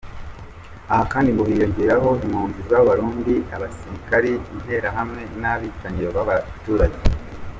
Aha kandi ngo hiyongeraho impunzi z’Abarundi, abasirikari, Interahamwe n’abicanyi b’abaturage.